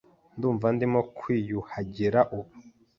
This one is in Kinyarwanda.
Ndumva ndimo kwiyuhagira ubu.